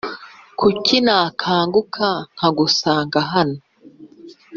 kuki nakanguka nkagusanga hano,